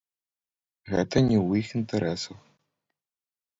Гэта не ў іх інтарэсах.